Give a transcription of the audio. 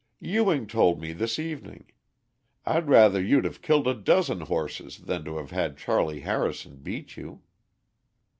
"Ewing told me this evening. I'd rather you'd have killed a dozen horses than to have had Charley Harrison beat you."